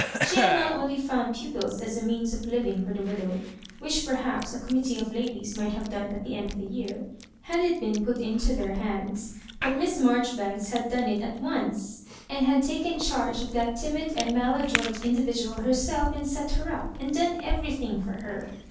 She had not only found pu pils and a means of living for the widow, which, perhaps, a committee of ladies might have done at the end of a year, had it been put into their hands; but Miss Marjoribanks had done it at once, and had taken charge of that timid and maladroit individual herself, and set her up, and done everything for her.